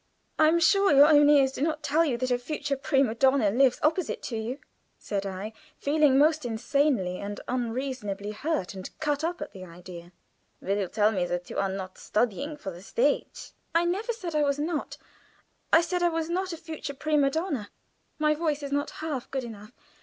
"I am sure your own ears do not tell you that a future prima donna lives opposite to you," said I, feeling most insanely and unreasonably hurt and cut up at the idea. "Will you tell me that you are not studying for the stage?" "I never said I was not. I said I was not a future prima donna. My voice is not half good enough.